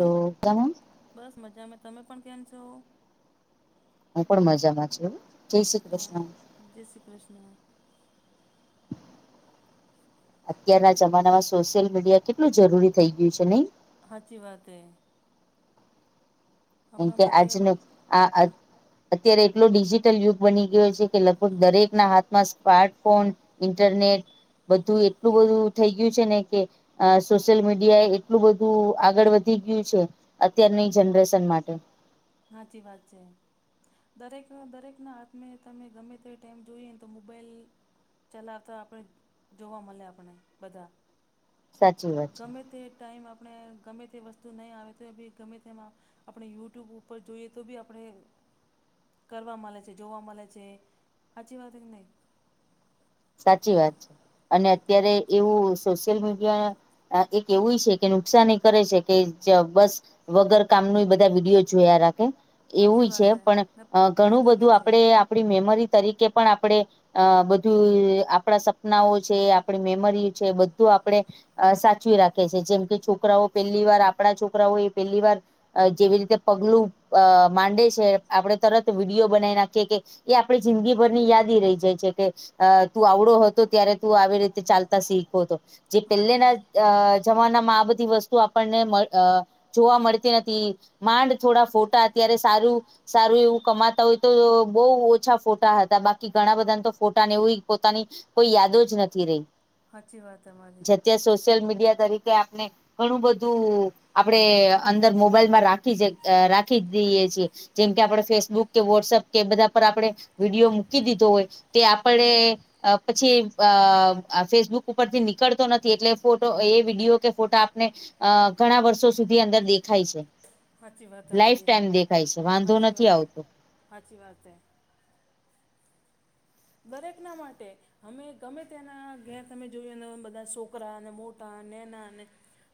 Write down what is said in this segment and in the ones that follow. [unintelligible] બસ મજામાં તમે પણ કેમ છો? હું પણ મજામાં છું, જય શ્રી કૃષ્ણ. જે શ્રી કૃષ્ણ. અત્યારના જમાનામાં સોશિયલ મીડિયા કેટલું જરૂરી થઈ ગ્યું છે નહી? હાચી વાત હે. કેમ કે આજનો [unintelligible] અત્યારે એટલો ડિજિટલ યુગ બની ગયો છે કે લગભગ દરેકના હાથમાં સ્માર્ટફોન ઇન્ટરનેટ, બધું એટલું બધું થઈ ગ્યું છે ને કે અ, સોશિયલ મીડિયા એટલું બધું આગળ વધી ગ્યું છે, અત્યારની જનરેશનમા હાંચી વાત છે. દરેકનું, દરેકના હાથમે તમે ગમે તે ટાઈમ જોઈએ ન તો મોબાઈલ ચલાવતા આપણે, જોવા મલે આપણને બધા. ગમે તે ટાઈમ આપણે, ગમે તે વસ્તુ નહીં આવે તો બી ગમે તેમાં આપણે યુટ્યુબ ઉપર જોઈએ તો બી આપણે કરવા મલે છે, જોવા મલે છે, હાચી વાત ક નહીં? સાચી વાત, અને અત્યારે એવું સોશિયલ મીડિયા, એક એવુંય છે કે નુકસાનેય કરે છે કે બસ વગર કામનુંય બધા વિડીયો જોયા રાખે. એવુંય છે પણ, અ ઘણું બધું આપડે આ આપડી મેમરી તરીકે પણ આપડે, અ બધું [unintelligible] આપડા સપનાઓ છે, આપડી મેમરી છે બધું આપડે અ સાચવી રાખે છે, જેમ કે છો [unintelligible] પેલી વાર આપડા છોકરાઓ એ પેલી વાર જેવી રીતે પગલું અ માંડે છે, આપડે તરત વિડીયો બનાવી નાખીએ કે એ આપડી જિંદગીભરની યાદી રહી જાય છે કે અ તું આવડો હતો ત્યારે તું આવી રીતે ચાલતા શીખો તો જે પેલેના અ જમાનામાં આ બધી વસ્તુ આપણને મળ અ જોવા મળતી નથી માંડ થોડા ફોટા અત્યારે સારું સારું એવું કમાતા હોય તો બહુ ઓછા ફોટા હતા બાકી ઘણા બધાને તો ફોટા ને એવુંય પોતાની કોઈ યાદો જ નથી રહી જ ત્યાં સોશિયલ મીડિયા તરી કે આપણે ઘણું બધું આપડે અંદર મોબાઈલમાં રાખી છે અ રાખી દીએ છીએ જેમ કે આપણે ફેસબુક કે વોટ્સઅપ કે એ બધા પર આપણે વિડીયો મૂકી દીધો હોય તે આપડે અ પછી અ ફેસબુક ઉપરથી નીકળતો નથી એટલે ફોટો એ વિડીયો કે ફોટા આપને અ ઘણા વર્ષો સુધી અંદર દેખાય છે. લાઈફ ટાઈમ દેખાય છે વાંધો નથી આવતો. હાચી વાતે હે દરેકના માટે અમે ગમે ત્યાંના ઘ્યા તમે જોઈ બધા છોકરા અનેને મોટા નેના અને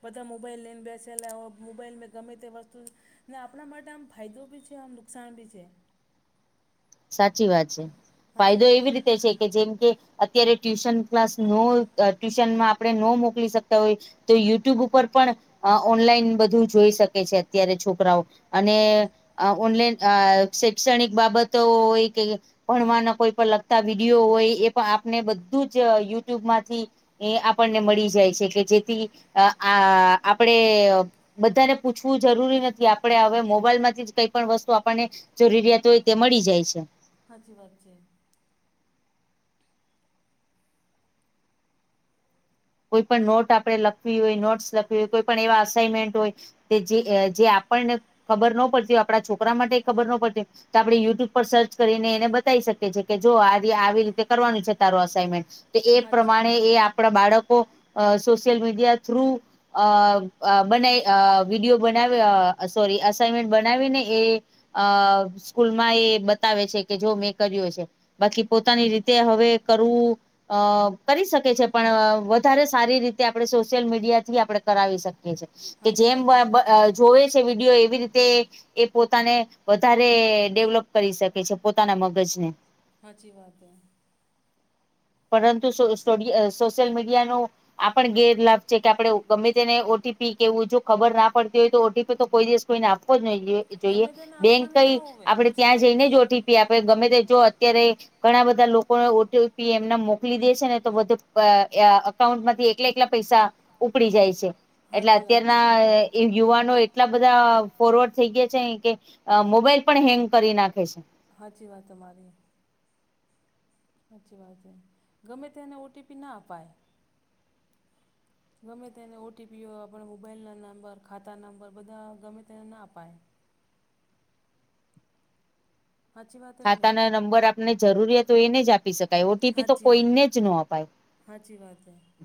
બધા મોબાઈલ લઈને બેસલા મોબાઈલ મે વસ્તુ ને આપણા માટે આમ ફાયદો બી છે આમ નુકસાન ભી છે. સાચી વાત છે ફાયદો એવી રીતે છે, કે જેમ કે અત્યારે ટ્યુશન ક્લાસ ન ટ્યુશનમાં આપણે ન મોકલી શકતા હોય તો યુટ્યુબ ઉપર પણ ઓનલાઈન બધું જોઈ શકે છે અત્યારે છોકરાઓ. અને ઓનલાઈન અ શેક્ષણિક બાબતો એ કે ભણવાનો કોઈ પણ લગતા વિડીયો હોય એ પણ આપને બધું જ યુટ્યુબમાંથી એ આપણને મળી જાય છે કે જેથી આ આપડે બધાને પૂછવું જરૂરી નથી આપડે હવે મોબાઈલ માંથી જ કઈ પણ વસ્તુ આપણને જરૂરિયાત હોય તે મળી જાય છે હાચી વાત છે. કોઈ પણ નોટ આપડે લખવી હોય નોટ્સ લખવી હોય કોઈ પણ એવા અસઇનમેન્ટ હોય તે જે જે આપણને ખબર ન પડતી હો આપણા છોકરા માટે ખબર ન પડતી તો આપડે યુટ્યુબ પર સર્ચ કરીને એને બતાવી શકીએ કે જો આવી આવી રીતે કરવાનું છે તારું અસાઈનમેન્ટ. તો એ પ્રમાણે એ આપડા બાળકો સોશિયલ મીડિયા થ્રુ, અ બનાવી વિડીયો બનાવી અ સોરી અસાઈમેન્ટ બનાવી ને એ અ સ્કૂલમાં એ બતાવે છે કે જો મેં કર્યું હ છે. બાકી પોતાની રીતે હવે કરવું અ કરી શકે છે પણ વ ધારે સારી રીતે આપડે સોશિયલ મીડિયા થી આપડે કરાવી શકીએ છે કે જેમ જોએ છે વિડિઓ એવી રીતે એ પોતાને વધારે ડેવલોપ કરી શકે છે પોતાના મગજ ને હાચી વાત હૈ. પરંતુ સોશિયલ મીડિયાનો આ પણ ગેરલાભ છે કે આપણે ગમે તેને ઓટીપી કેવું જો ખબર ના પડતી હોય તો ઓટીપી તો કોઈ દિવસ કોઈને આપવો જ નઈ જોઈએ બેંક કઈ આપડે ત્યાં જઈને જ ઓટી પી આપે ગમે તે જો અત્યારે ઘણા બધા લોકો ઓટ પીએમ ના મોકલી દે છે ને તો બધું અકાઉન્ટ માંથી એકલા એકલા પૈસા ઉપડી જાય છે એટલે અત્યારના યુવાનો એટલા બધા ફોરવર્ડ થઈ ગયા છે કે મોબાઈલ પણ હેંગ કરી નાખે છે. હાચી વાત તમારી. સાચી વાત હે ગમે તેને ઓટીપી ના અપાય. ગમે તેને ઓટીપી અ આપન મોબાઈલ ના નંબર, ખાતા નંબર બધા ગમે તેને ના અપાય. ખાતા ના નંબર આપને જરૂરિયાત હોય એને જ આપી શક્ ાય ઓટીપી તો કોઈને જ નો અપાય.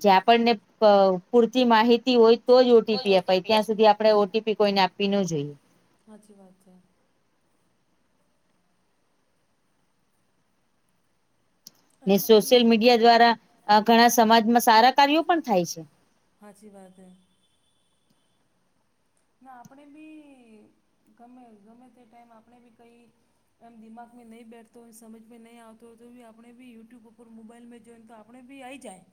જે આપણને પ અ પૂરતી માહિત્ ી હોય તો જ ઓટીપી અપાય, ત્યાં સુધી આપળે ઓટીપી કોઈને આપી નો જોઈએ. હાચી વાત છે. ને સોશિયલ મીડિયા દ્વારા અ ઘણા સમાજમાં સારા કાર્યો પણ થાય છે. હાચી વાત હે ના આપળે બી ગમે ગમે તે ટાઈમ આપણે બી કઈક એમ દિમાગ મેં નય બેઠતું હોય, સમજ મેં નય આવતું હોય તો આપણે બી યુટ્યુબ ઉપર મોબાઈલ મેં જોઈને તો આપણે બી આય જાય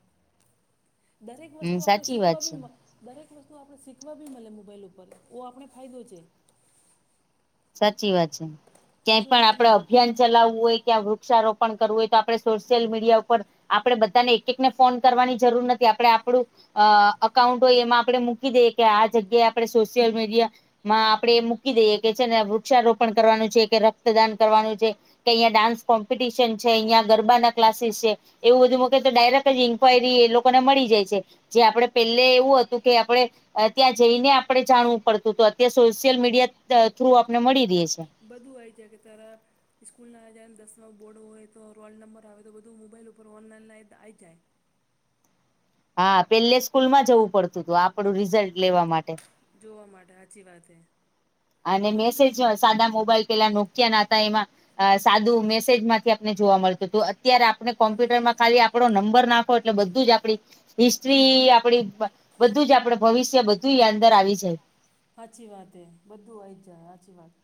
દરેક વસ્તુ આપળે શીખવા બી મ દરેક વસ્તુ આપળે શીખવા બી મલે મોબાઈલ ઉપર ઓ આપને ફાઈદો છે. સાચી વાત છે, ક્યાંય પણ આપળે અભિયાન ચલાવું હોય ક્યાં વૃ ક્ષારોપણ કરવું હોય તો આપળે સોશિયલ મીડિયા ઉપર આપળે બધાને એક એકને ફોન કરવાની જરૂર નથી આપળે આપળુ અ અકાઉન્ટ ઓય એમાં આપળે મૂકી દેએ કે આ જગ્યાએ આપળે સોશિયલ મીડિયા માં આપળે એ મૂકી દેએ કે છે ને વૃક્ષારોપણ કરવાનું છે, કે રક્તદાન કરવાનું છે કે ઐયાં ડાન્સ કોમ્પિટિશન છે, ઐયાં ગરબાના ક્લાસીસ છે એવું બધું મકે તો ડાયરેક્ટ જ ઇન્ક્યરી એ લોકોને મળી જાય છે જે આપળે પેલે એવું અતું કે આપળે અ ત્યાં જઈને આપળે જાણવું પડતું તું, અત્યારે સોશિયલ મીડિયા અ થ્રુ આપને મળી રીએ છે. બધું આઈ જાય કે તારા ઈસ્ચૂલ ના જાયને દસમા બોર્ડ હોએ તો રોલ નંબર આવે તો બધું મોબાઈલ ઉપર ઓનલાઈન લાઈદ આઈ જાય. હા પેલે સ્કૂલ માં જવું પડતું તું આપળુ રિઝલ્ટ લેવા માટે. જોવા માટે સાચી વાત હે. અને મેસેજ સાદા મોબાઈલ પેલા નોકિયા ના અતા એમાં અ સાદું મેસેજ માંથી આપને જોવા મલતુ તું અત્યારે આપણે કોમ્પ્યુટરમાં ખાલી આ પળો નંબર નાખો એટલે બધું જ આપળી હિસ્ટ્રી આપળી બ બધું જ આપળે ભવિષ્ય બધું ઈ અંદર આવી જાય. સાચી વાત એ બધું આઈય જ જાય સાચી વાત.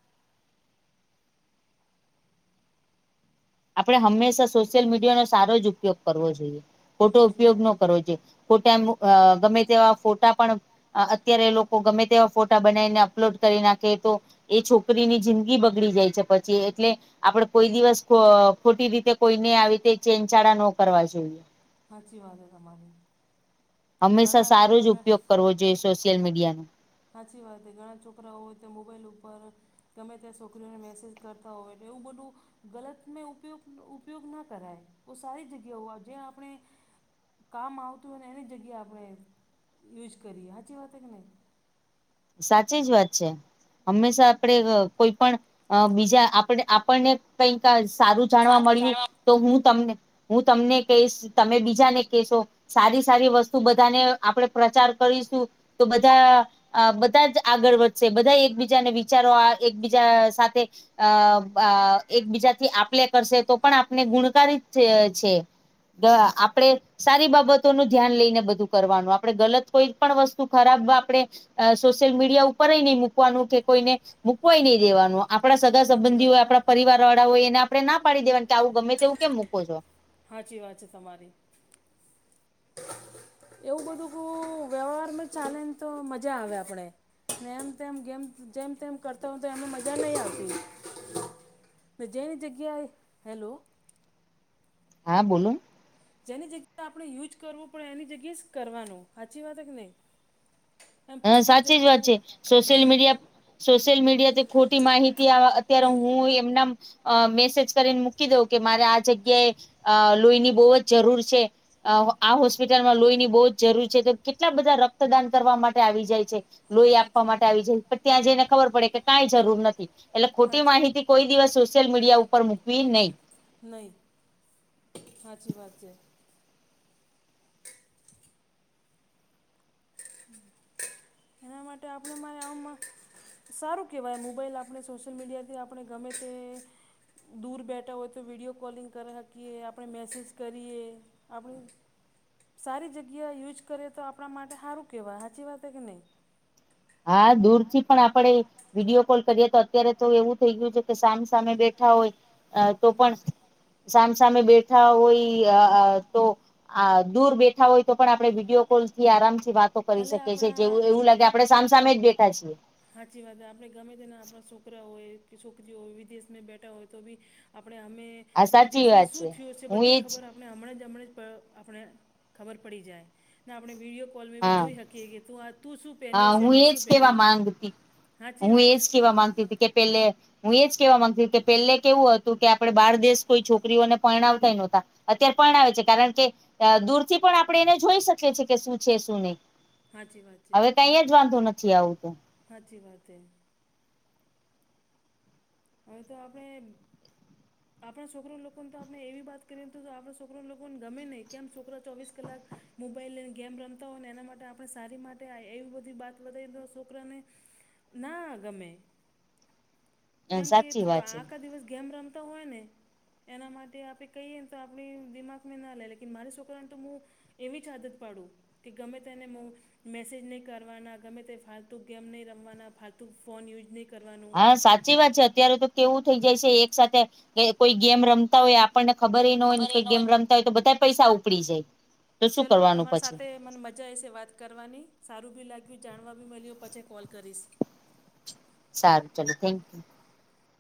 આપળે હંમેશા સોશિયલ મીડિયા નો સારો જ ઉપયોગ કરવો જોઈએ ખોટો ઉપયોગ નો કરવો જોઈએ ખોટા મુ અ ગમે તેવા ફોટા પણ અ અત્યારે લોકો ગમે તેવા ફોટા બનાઈને અપલોડ કરી નાખે તો એ છોકરીની જિંદગી બગળી જાય છે પછી એટલે આપળે કોઈ દિવસ પ અ ખોટી રીતે કોઈને આવી તે ચેનચાળા નો કરવા જોઈએ. સાચી વાત હે તમારી. હંમેશા સારો જ ઉપયોગ કરવો જોઈએ સોશિયલ મીડિયાનો. સાચી વાત હે ઘણા છોકરાઓ તો મોબાઈલ ઉપર ગંમે ત્યાં શોકરીઓને મેસેજ કરતા હોય ને એવું બધું ગલત મેં ઉપયોગ ઉપયોગ ના કરાય ઓ સારી જ જગ્યા ઓઆ જે આપણે કામ આવતું હોય ને એની જગ્યાએ આપણે યુઝ કરીએ, સાચી વાત હે કે નય? સાચી જ વાત છે હંમેશા આપળે અ કોય પણ અ બીજા આપડે આપણને કઈક અ સારું જાણવા મળ્યું તો હું તમને હું તમને કઈ શ તમે બીજાને કહેશો સારી સારી વસ્તુ બધાને આપડે પ્રચાર કરીશું તો બધા બધા આગળ વધશે બધા એકબીજાને વિચારો આ એકબીજા સાથે અ આ એકબીજાથી આપલે કરશે તો પણ આપને ગુણકાર છે દા આપડે સારી બાબતો નું ધ્યાન લઈને બધું કરવાનું આપણે ગલત કોઈ પણ વસ્તુ ખરાબ આપડે અ સોશિયલ મીડિયા ઉપર નહી મૂકવાનું એ કોઈને મકવાઈ નહી દેવાનું આપણા સગા સંબંધીઓ પરિવાર વાળા હોય એને આપડે ના પાડી દેવા કે આવું ગમે તેવું કેમ મૂકો છો હાચી વાત છે તમારી એવું બધું ક વ્યવહારમાં ચાલે ને તો મજા આવે આપણે ને તેમમ ગેમ જેમ તેમ કરતા હો તો એમને મજા નહી આવતી જેવી ગગ્યા હેલો હા બોલો જેની જગ્યાએ આપણે યુજ કરવો પડે એની જગ્યાએ જ કરવાનું હાચી વાત કે નહી એમ ફાલ્ટુ જગ્યા એ સોશિયલ મીડિયા સોશિયલ મીડિયા ખોટી માહિતી અવા અત્યારે હું એમના અ મેસેજ કરીને મૂકી દઉં કે મારે આ જગ્યાએ અ લોહીની બહુ જ જરૂર છે આ આ હોસ્પિટલમાં લોહીની બહુ જ જરૂરી છે તો કેટલા બધા રક્તદાન કરવા માટે આવી જાય છે લોહી આપવા માટે આવી જાય પણ ત્યાં જઈને ખબર પડે કે કઈ જરૂર નથી એટલે ખોટી માહિતી કોઈ દિવસ સોશિયલ મીડિયા ઉપર મૂકવી નહી નહી હાચી વાત છે એના માટે આપણે મારે આ સારું કહેવાય મોબાઈલ આપણે સોશિયલ મીડિયાથી આપણે ગમે તે દૂર બેઠા હોય તો વિડીિયો કોલિંગ કરી હાકીએ આપણે મેસેજ કરીએ આપણે સારી જગ્યા યુઝ કરીએ તો આપણા માટે હારું કહેવાય હાચી વાત કે નહીં હા દૂર થી પણ આપણે કોલ કરીએ તો અત્યારે તો એવું થઈ ગયું છે કે સામ સામે બેઠા હોય અ તો પણ સામસામે બેઠા હોય અ તો અ દૂર બેઠ હા હોય તો પણ આપણે વિડીયો કોલ થી આરામથી વાતો કરી શકીએ છીએ જેવું એવું લાગે સામસામે જ બેઠા છીએ હાચી વાત આપણે ગમે તેના આપણા છોકરા હોય કે છોકરીઓ હોય વિદેશમાં બેઠા હોય તો બી આપણે અમે વિદેશમાં શું થયું છે બધી ખબર આપ આપણે હમણાં જ હમણાં જ આપણે ખબર પડી જાય ને આપણે વિડીયો કોલ બી જોઈ હાકીએ ત તું શું હ હું એજ કેવા માંગતી હું એજ હતી કે પેલે હું એજ કહેવા માંગું કે પહેલાં કેવું હતું કે આપણે બહાર દેશ કોઈ છોકરીઓને પરણાવતા પણ નહોતા અત્યારે પણ આવે છે કારણ કે દૂર થી પણ આપણે એને જોઈ શકીએ છીએ કે શું છે શું નહી હાચી વાત હવે કઈ જ વાંધો નથી આવું તોું હાચી વાત હ હવે તો આપણે આપણા છોકરા લોકોને તો આપણે એવી વાત કરીએ તો આપણા છોકરાઓને લોકોને ગમે નહીં કેમ કે છોકરા ચોવીસ કલાક મોબાઈલમાં ગેમ રમતા હોય ને, એના માટે આપણે સારી એવી બધી વાતો છોકરાને ના ગમે કેમ કે આખા દિવસ ગેમ રમતા હોય ને. એના માટે આપણે કહીએ તો આપણી દિમાગમાં ના લે, લેકિન મારા છોકરાને તો હું એવી જ આદત પાડું, કે ગમે તેને મો મેસેજ નહીં કરવાના, ગમે તે ફાલતુ ગેમ નહીં રમવાના, ફાલતુ ફોન યુઝ નહીં હા સાચી વાત છે, અત્યારે તો કેવું થઈ જાય છે, એક સાથે કોઈ ગેમ રમતા હોય. આ આપણને ખબરેય ન હોય ને કોઈ ગેમ રમતા હોય, તો બધા પૈસા ઉપડી જાય. ચલો, તમારી સાથે મજ જા આઈસે વાત કરવાની, સારું બી લાગ્યું, જાણવા બી મળ્યું. પછી કોલ કરીશ. સારું, ચાલો, થેન્ક